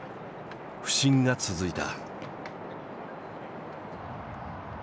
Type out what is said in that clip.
不振が続いた。